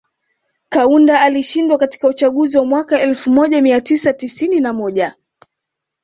Kaunda alishindwa katika uchaguzi wa mwaka elfu moja mia tisa tisini na moja